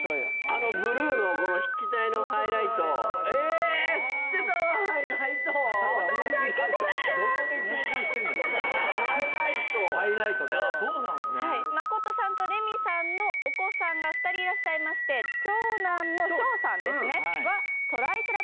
あのブルーのこの筆記体のハイライトえっ吸ってたわハイライトどこで共感してんねんハイライトハイライトねああそうなんですね誠さんとレミさんのお子さんが２人いらっしゃいまして長男の唱さんですね